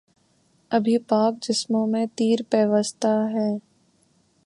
ابھی پاک جسموں میں تیر پیوستہ ہیں